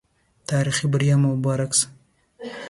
تاريخي بریا مو مبارک سه